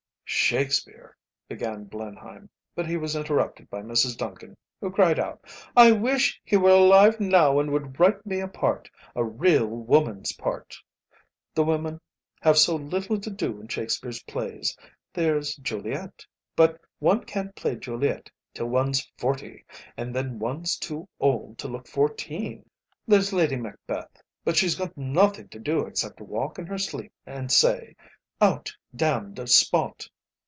"Shakespeare," began Blenheim; but he was interrupted by Mrs. Duncan who cried out: "I wish he were alive now and would write me a part, a real woman's part. The women have so little to do in Shakespeare's plays. There's Juliet; but one can't play Juliet till one's forty, and then one's too old to look fourteen. There's Lady Macbeth; but she's got nothing to do except walk in her sleep and say, 'Out, damned spot!